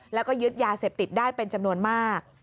แล้วก็ยึดยาเสพติดได้เป็นจำนวนมาก